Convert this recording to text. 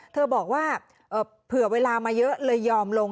เธอบอกว่าเผื่อเวลามาเยอะเลยยอมลง